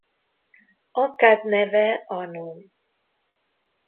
Akkád neve Anum.